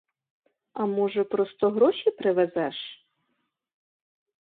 А може, просто гроші привезеш?